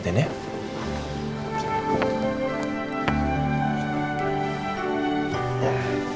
terima kasih ya